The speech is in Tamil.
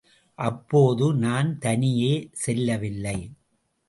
அப்போது நான் தனியே செல்லவில்லை.